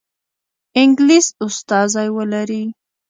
انګلیس استازی ولري.